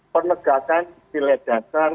penegakan silih dasar